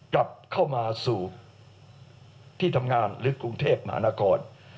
กลับเข้ามาสู่ที่ทำงานหรือกรุงเทพมหานคร